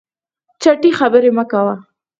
چټي خبري مه کوه !